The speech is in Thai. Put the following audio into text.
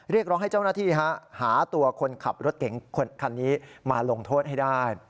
เรียกร้องให้เจ้าหน้าที่หาตัวคนขับรถเก๋งคันนี้มาลงโทษให้ได้